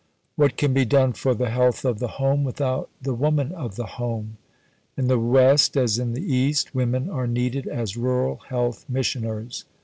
What can be done for the health of the home without the woman of the home? In the West, as in the East, women are needed as Rural Health Missioners.